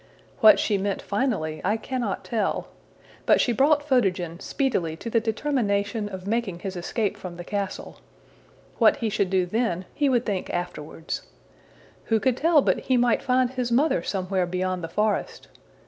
What she meant finally I cannot tell, but she brought Photogen speedily to the determination of making his escape from the castle: what he should do then he would think afterwards. Who could tell but he might find his mother somewhere beyond the forest!